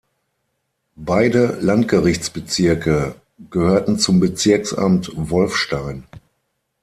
Beide Landgerichtsbezirke gehörten zum "Bezirksamt Wolfstein".